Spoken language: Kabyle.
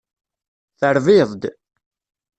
Terbiḍ-d.